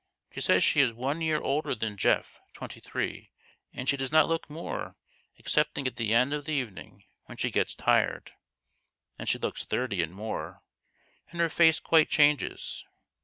She says she is one year older than Geoff twenty three ; and she does not look more, excepting at the end of the evening, when she gets tired. Then she looks thirty and more; and her face quite changes.